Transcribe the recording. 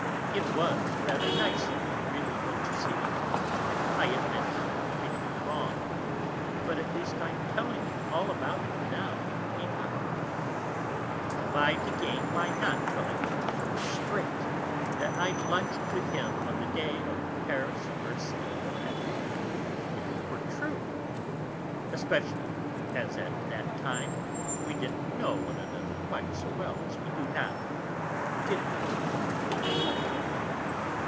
It was rather nice of me, really, don't you see? I admit, I did wrong, but at least I'm telling you all about it now, a'n't I? What have I to gain by not telling you, straight, that I lunched with him on the day of the Paris Murcie Fête, if it were true? Especially as at that time we didn't know one another quite so well as we do now, did we, dear?"